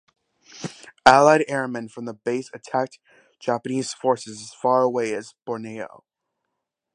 Allied airmen from the base attacked Japanese forces as far away as Borneo.